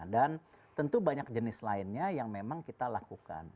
dan tentu banyak jenis lainnya yang memang kita lakukan